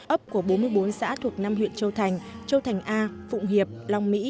ấp của bốn mươi bốn xã thuộc năm huyện châu thành châu thành a phụng hiệp long mỹ